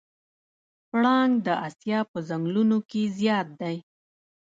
پړانګ د اسیا په ځنګلونو کې زیات دی.